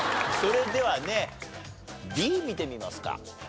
それではねＤ見てみますか。